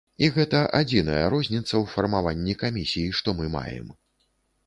І гэта адзіная розніца ў фармаванні камісій, што мы маем.